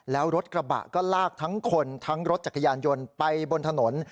แล้วรถกระบะก็ลากทั้งคนทั้งรถจักรยานยนต์ไปบนถนน